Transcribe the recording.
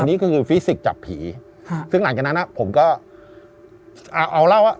อันนี้ก็คือฟิสิกส์จับผีค่ะซึ่งหลังจากนั้นอ่ะผมก็เอาเอาเล่าว่า